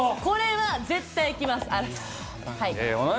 これは絶対いきます。